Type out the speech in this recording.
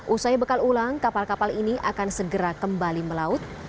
usai bekal ulang kapal kapal ini akan segera kembali melaut